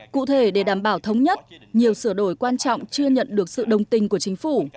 cụ thể để đảm bảo thống nhất nhiều sửa đổi quan trọng chưa nhận được sự đồng tình của chính phủ